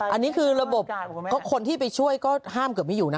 อันนี้คือระบบคนที่ไปช่วยก็ห้ามเกือบไม่อยู่นะ